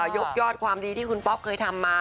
ยกยอดความดีที่คุณป๊อปเคยทำมา